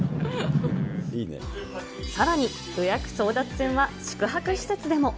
さらに、予約争奪戦は宿泊施設でも。